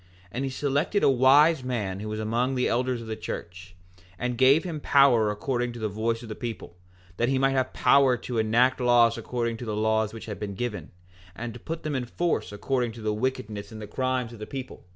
4:16 And he selected a wise man who was among the elders of the church, and gave him power according to the voice of the people, that he might have power to enact laws according to the laws which had been given, and to put them in force according to the wickedness and the crimes of the people.